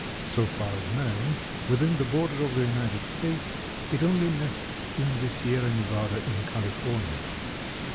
So far as known, within the border of the United States, it only nests in the Sierra Nevada in California.